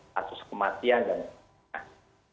kasus kematian dan lain lain